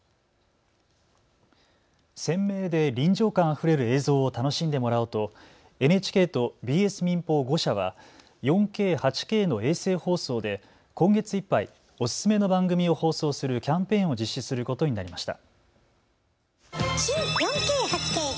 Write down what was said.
鮮明で臨場感あふれる映像を楽しんでもらおうとＮＨＫとＢＳ民放５社は４Ｋ８Ｋの衛星放送で今月いっぱいお薦めの番組を放送するキャンペーンを実施することになりました。